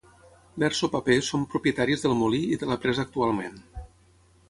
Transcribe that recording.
Verso Paper són propietaris del molí i de la presa actualment.